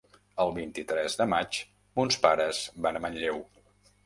El vint-i-tres de maig mons pares van a Manlleu.